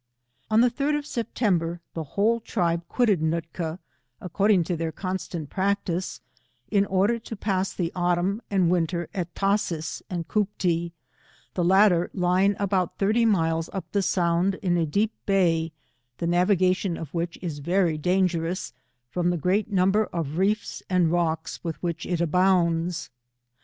On the 3d of September, the whole tribe quitted Nootka, according to their constant practice, in order to pass the autumn and winter at Tashees and Cooptee, the latter lying abouMhirty miles up the Sound, in a deep bay, the navigation of which is very dangerous, from the great number of reefs and rocks with which it abounds.